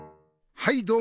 はいどうも！